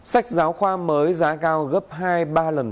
sách giáo khoa mới giá cao gấp hai ba lần